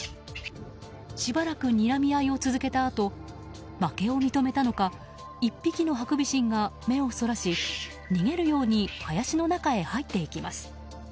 しばらくにらみ合いを続けたあと負けを認めたのか１匹のハクビシンが目をそらし逃げるように林の中へ入っていきます。